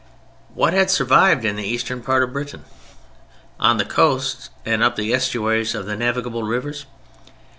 What had survived in the eastern part of Britain? On the coasts, and up the estuaries of the navigable rivers?